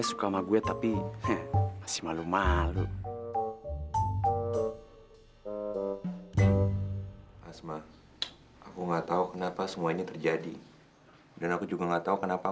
sampai jumpa di video selanjutnya